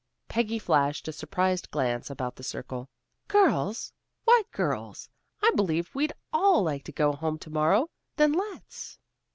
Peggy flashed a surprised glance about the circle. "Girls, why, girls! I believe we'd all like to go home to morrow! Then let's."